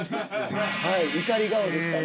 怒り顔でしたね